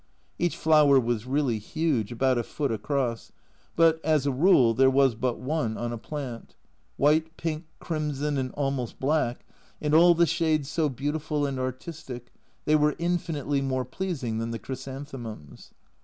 Each flower was really huge, about a foot across, but, as a rule, there was but one on a plant. White, pink, crimson, and almost black, and all the shades so beautiful and artistic, they were infinitely more pleasing than the chrysanthemums.